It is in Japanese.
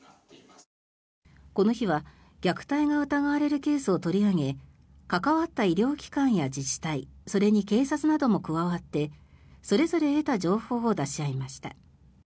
この日は虐待が疑われるケースを取り上げ関わった医療機関や自治体それに警察なども加わってそれぞれ得た情報を出し合いました。